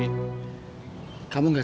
kau akan menunggu masa